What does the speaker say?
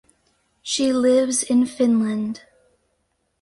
She lives in Finland.